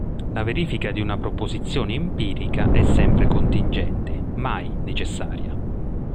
La verifica di una proposizione empirica è sempre contingente, mai necessaria.